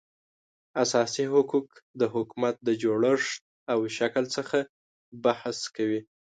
اساسي حقوق د حکومت د جوړښت او شکل څخه بحث کوي